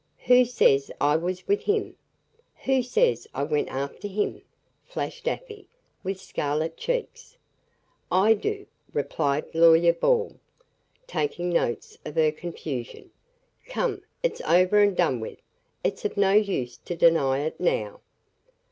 "Who says I was with him? Who says I went after him?" flashed Afy, with scarlet cheeks. "I do," replied Lawyer Ball, taking notes of her confusion. "Come, it's over and done with it's of no use to deny it now.